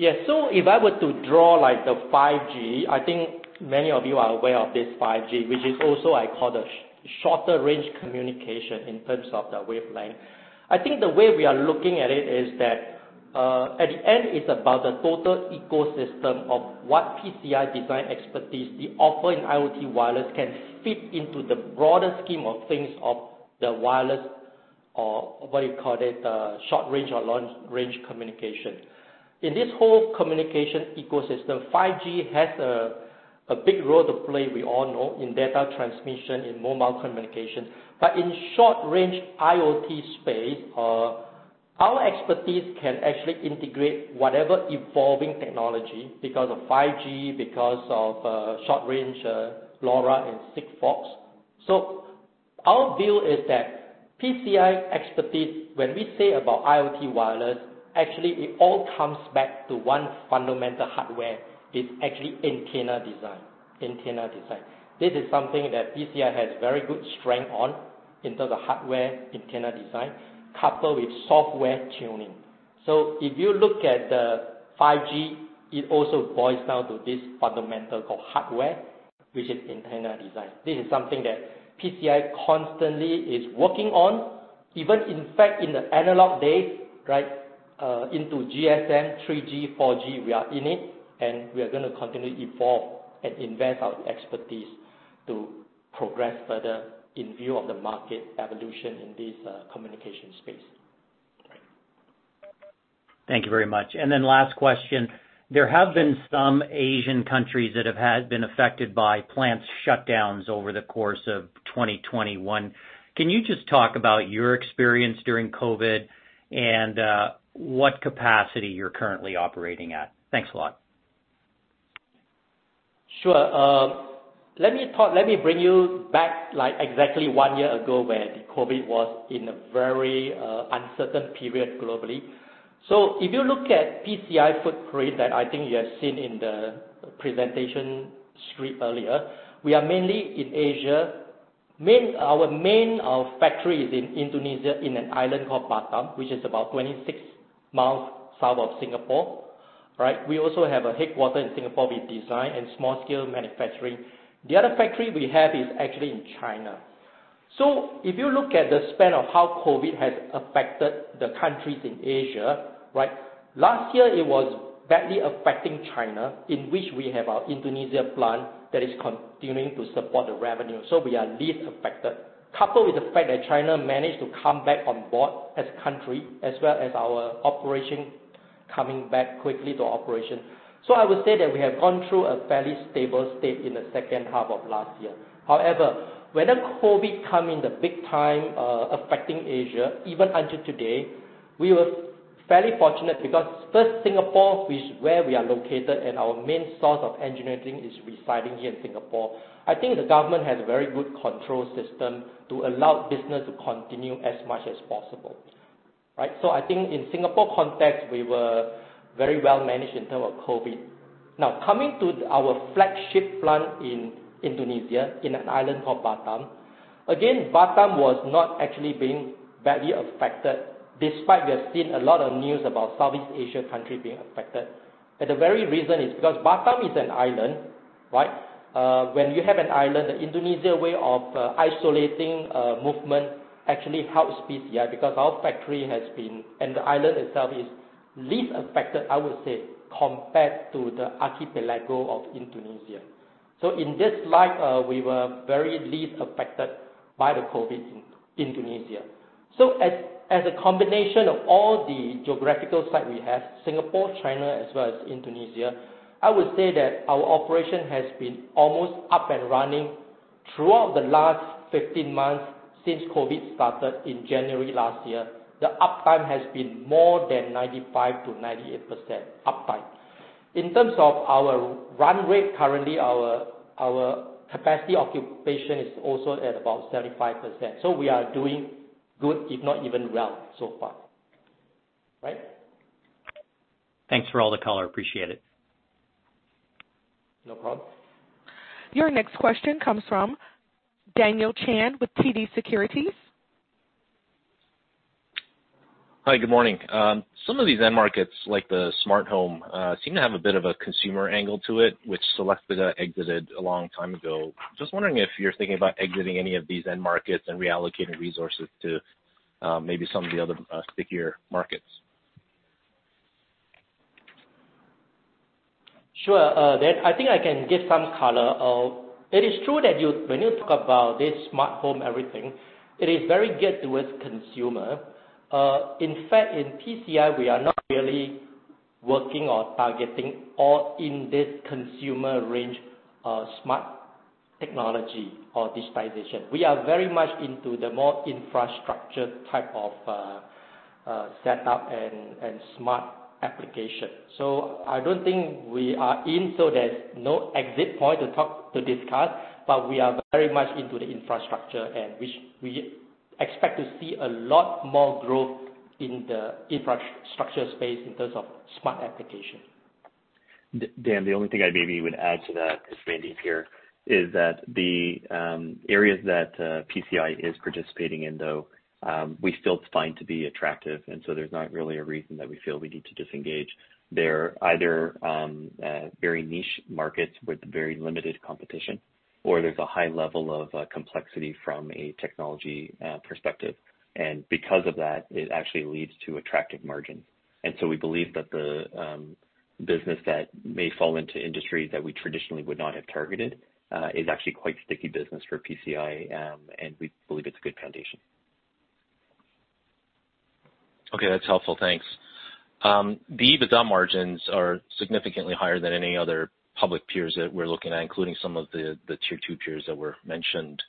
[SPEAKER 4] If I were to draw like the 5G, I think many of you are aware of this 5G, which is also, I call the shorter range communication in terms of the wavelength. I think the way we are looking at it is that, at the end, it's about the total ecosystem of what PCI design expertise, the offering IoT wireless can fit into the broader scheme of things of the wireless or what you call it, short range or long-range communication. In this whole communication ecosystem, 5G has a big role to play, we all know, in data transmission, in mobile communication. In short range IoT space, our expertise can actually integrate whatever evolving technology because of 5G, because of short range LoRa and Sigfox. Our view is that PCI expertise, when we say about IoT wireless, actually it all comes back to one fundamental hardware, is actually antenna design. This is something that PCI has very good strength on in terms of hardware antenna design, coupled with software tuning. If you look at the 5G, it also boils down to this fundamental called hardware, which is antenna design. This is something that PCI constantly is working on. Even in fact in the analog days, right, into GSM 3G, 4G, we are in it and we are going to continue to evolve and invest our expertise to progress further in view of the market evolution in this communication space.
[SPEAKER 10] Thank you very much. Last question. There have been some Asian countries that have been affected by plants shutdowns over the course of 2021. Can you just talk about your experience during COVID and what capacity you're currently operating at? Thanks a lot.
[SPEAKER 4] Sure. Let me bring you back like exactly one year ago when the COVID was in a very uncertain period globally. If you look at PCI footprint that I think you have seen in the presentation screen earlier, we are mainly in Asia. Our main factory is in Indonesia in an island called Batam, which is about 26 miles south of Singapore, right? We also have a headquarter in Singapore with design and small-scale manufacturing. The other factory we have is actually in China. If you look at the span of how COVID has affected the countries in Asia, right? Last year it was badly affecting China, in which we have our Indonesia plant that is continuing to support the revenue. We are least affected. Coupled with the fact that China managed to come back on board as a country, as well as our operation coming back quickly to operation. I would say that we have gone through a fairly stable state in the second half of last year. However, when the COVID come in the big time, affecting Asia, even until today, we were fairly fortunate because first Singapore, which where we are located and our main source of engineering is residing here in Singapore. I think the government has a very good control system to allow business to continue as much as possible, right? I think in Singapore context, we were very well managed in terms of COVID. Now coming to our flagship plant in Indonesia in an island called Batam. Batam was not actually being badly affected despite we have seen a lot of news about Southeast Asian country being affected. The very reason is because Batam is an island, right? When you have an island, the Indonesia way of isolating movement actually helps PCI because our factory has been, and the island itself is least affected, I would say, compared to the archipelago of Indonesia. In this light, we were very least affected by the COVID in Indonesia. As a combination of all the geographical sites we have, Singapore, China, as well as Indonesia, I would say that our operation has been almost up and running throughout the last 15 months since COVID started in January last year, the uptime has been more than 95%-98% uptime. In terms of our run rate, currently our capacity occupation is also at about 75%. We are doing good, if not even well so far. Right?
[SPEAKER 10] Thanks for all the color. Appreciate it.
[SPEAKER 4] No problem.
[SPEAKER 1] Your next question comes from Daniel Chan with TD Securities.
[SPEAKER 11] Hi, good morning. Some of these end markets, like the smart home, seem to have a bit of a consumer angle to it, which Celestica exited a long time ago. Just wondering if you're thinking about exiting any of these end markets and reallocating resources to maybe some of the other stickier markets.
[SPEAKER 4] Sure. I think I can give some color. It is true that when you talk about this smart home everything, it is very geared towards consumer. In fact, in PCI, we are not really working on targeting all in this consumer range smart technology or digitization. We are very much into the more infrastructure type of setup and smart application. I don't think we are in, so there's no exit point to discuss, but we are very much into the infrastructure and we expect to see a lot more growth in the infrastructure space in terms of smart application.
[SPEAKER 5] Dan, the only thing I maybe would add to that, this is Mandeep here, is that the areas that PCI is participating in, though, we still find to be attractive. So there's not really a reason that we feel we need to disengage. They're either very niche markets with very limited competition, or there's a high level of complexity from a technology perspective. Because of that, it actually leads to attractive margin. So we believe that the business that may fall into industries that we traditionally would not have targeted is actually quite sticky business for PCI, and we believe it's a good foundation.
[SPEAKER 11] Okay, that's helpful. Thanks. The EBITDA margins are significantly higher than any other public peers that we're looking at, including some of the tier 2 peers that were mentioned.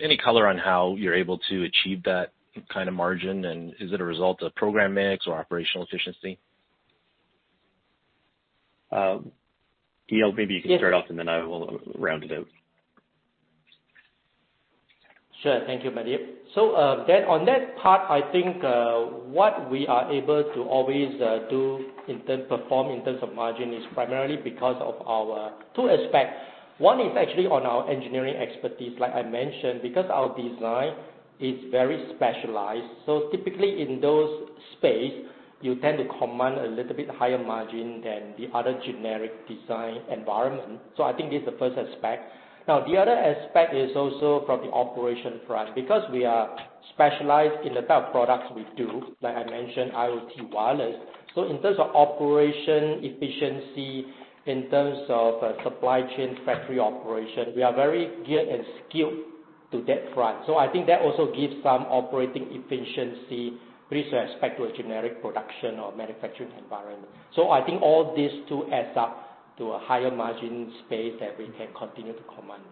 [SPEAKER 11] Any color on how you're able to achieve that kind of margin, and is it a result of program mix or operational efficiency?
[SPEAKER 5] EL Teo, maybe you can start off, and then I will round it out.
[SPEAKER 4] Sure. Thank you, Mandeep. On that part, I think what we are able to always do in terms of margin, is primarily because of our two aspects. One is actually on our engineering expertise, like I mentioned, because our design is very specialized. Typically in that space, you tend to command a little bit higher margin than the other generic design environment. I think this is the first aspect. Now, the other aspect is also from the operation front, because we are specialized in the type of products we do, like I mentioned, IoT wireless. In terms of operation efficiency, in terms of supply chain factory operation, we are very geared and skilled to that front. I think that also gives some operating efficiency with respect to a generic production or manufacturing environment. I think all these two adds up to a higher margin space that we can continue to command.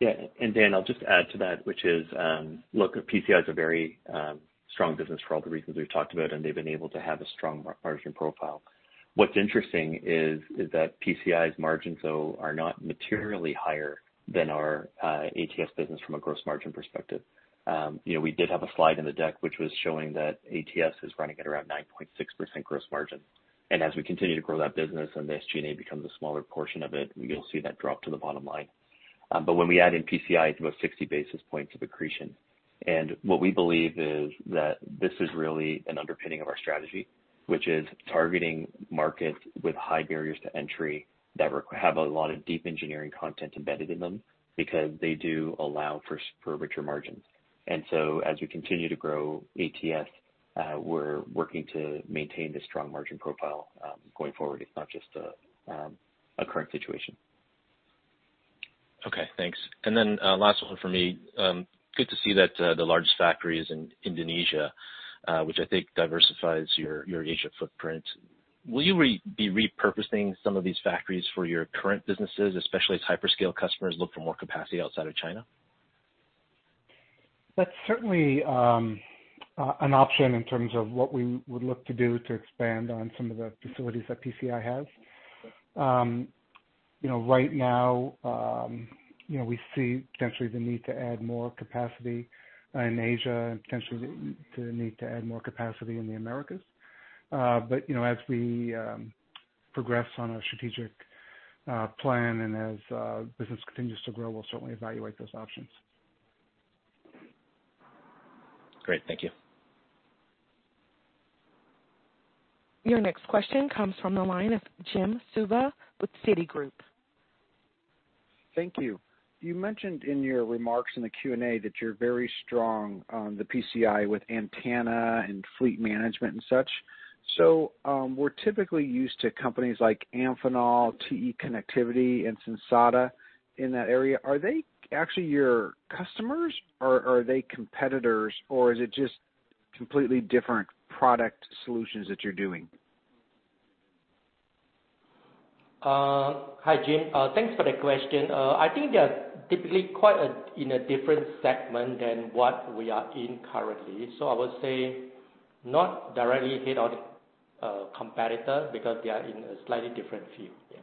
[SPEAKER 5] Yeah. Dan, I'll just add to that, which is, look, PCI is a very strong business for all the reasons we've talked about, and they've been able to have a strong margin profile. What's interesting is that PCI's margins, though, are not materially higher than our ATS business from a gross margin perspective. We did have a slide in the deck which was showing that ATS is running at around 9.6% gross margin. As we continue to grow that business and the SG&A becomes a smaller portion of it, you'll see that drop to the bottom line. When we add in PCI, it's about 60 basis points of accretion. What we believe is that this is really an underpinning of our strategy, which is targeting markets with high barriers to entry that have a lot of deep engineering content embedded in them because they do allow for richer margins. As we continue to grow ATS, we're working to maintain the strong margin profile going forward. It's not just a current situation.
[SPEAKER 11] Okay, thanks. Last one from me. Good to see that the largest factory is in Indonesia, which I think diversifies your Asia footprint. Will you be repurposing some of these factories for your current businesses, especially as hyperscale customers look for more capacity outside of China?
[SPEAKER 3] That's certainly an option in terms of what we would look to do to expand on some of the facilities that PCI has. Right now, we see potentially the need to add more capacity in Asia and potentially the need to add more capacity in the Americas. As we progress on our strategic plan and as business continues to grow, we'll certainly evaluate those options.
[SPEAKER 11] Great. Thank you.
[SPEAKER 1] Your next question comes from the line of Jim Suva with Citigroup.
[SPEAKER 12] Thank you. You mentioned in your remarks in the Q&A that you're very strong on the PCI with antenna and fleet management and such. We're typically used to companies like Amphenol, TE Connectivity, and Sensata in that area. Are they actually your customers, or are they competitors, or is it just completely different product solutions that you're doing?
[SPEAKER 4] Hi, Jim. Thanks for the question. I think they are typically quite in a different segment than what we are in currently. I would say not directly head-on competitor because they are in a slightly different field, yeah,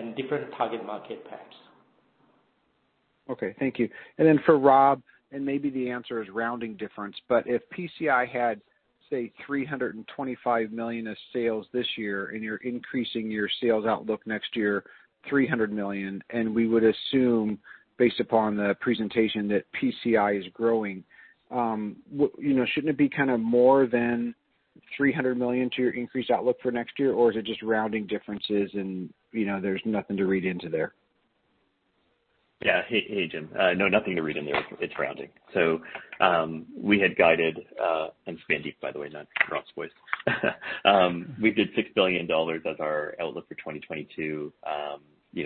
[SPEAKER 4] and different target market perhaps.
[SPEAKER 12] Okay. Thank you. For Rob, maybe the answer is rounding difference, if PCI had, say, $325 million of sales this year, you're increasing your sales outlook next year $300 million, we would assume, based upon the presentation, that PCI is growing, shouldn't it be more than $300 million to your increased outlook for next year? Is it just rounding differences and there's nothing to read into there?
[SPEAKER 5] Hey, Jim. No, nothing to read in there. It's rounding. We had guided, and it's Mandeep, by the way, not Rob's voice, we did $6 billion as our outlook for 2022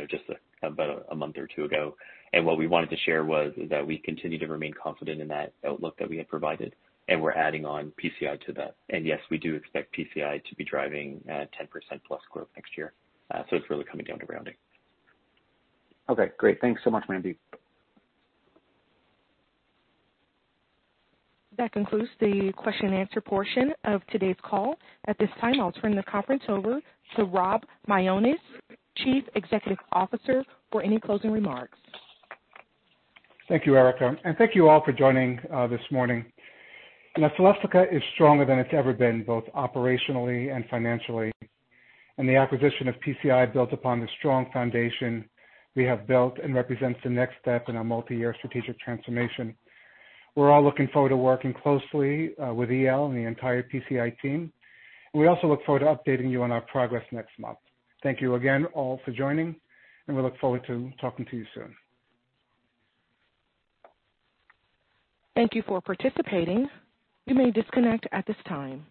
[SPEAKER 5] just about a month or two ago. What we wanted to share was is that we continue to remain confident in that outlook that we had provided, and we're adding on PCI to that. Yes, we do expect PCI to be driving at 10%+ growth next year. It's really coming down to rounding.
[SPEAKER 12] Okay, great. Thanks so much, Mandeep.
[SPEAKER 1] That concludes the question and answer portion of today's call. At this time, I'll turn the conference over to Rob Mionis, Chief Executive Officer, for any closing remarks.
[SPEAKER 3] Thank you, Erica. Thank you all for joining this morning. Celestica is stronger than it's ever been, both operationally and financially. The acquisition of PCI builds upon the strong foundation we have built and represents the next step in our multi-year strategic transformation. We're all looking forward to working closely with EL and the entire PCI team, and we also look forward to updating you on our progress next month. Thank you again, all, for joining, and we look forward to talking to you soon.
[SPEAKER 1] Thank you for participating. You may disconnect at this time.